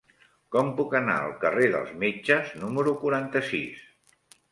Com puc anar al carrer dels Metges número quaranta-sis?